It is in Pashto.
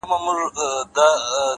د چا او چا ژوند كي خوښي راوړي.